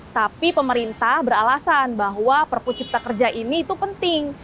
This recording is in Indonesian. tapi pemerintah beralasan bahwa perpu cipta kerja ini itu penting